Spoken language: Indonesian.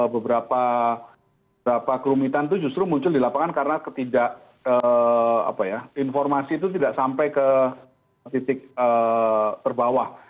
beberapa kerumitan itu justru muncul di lapangan karena ketidak informasi itu tidak sampai ke titik terbawah